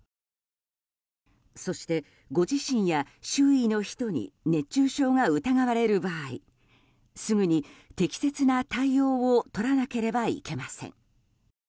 そして、ご自身や周囲の人に熱中症が疑われる場合すぐに適切な対応をとらなければいけません。